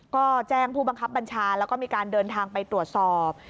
ก็แจ้งผู้บังคับบัญชาแล้วก็มีการเดินทางไปตรวจสอบ